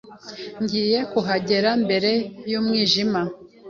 Ngiye kuhagera mbere y'umwijima.